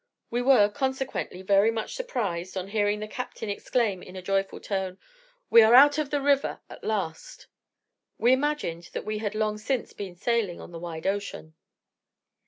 We were, consequently, very much surprised, on hearing the captain exclaim, in a joyful tone, "We are out of the river at last." We imagined that we had long since been sailing upon the wide ocean.